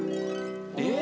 えっ？